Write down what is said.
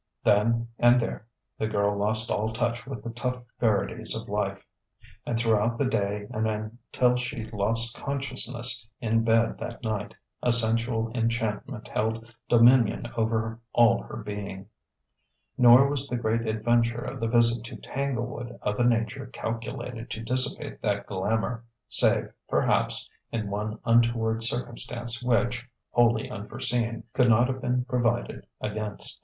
Then and there the girl lost all touch with the tough verities of life; and throughout the day and until she lost consciousness in bed that night, a sensual enchantment held dominion over all her being.... Nor was the great adventure of the visit to Tanglewood of a nature calculated to dissipate that glamour save, perhaps, in one untoward circumstance which, wholly unforeseen, could not have been provided against.